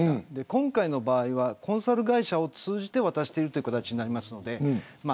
今回の場合はコンサル会社を通じて渡しているという形になります。